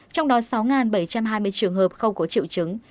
trong đó sáu bảy trăm hai mươi trường hợp không có triệu chứng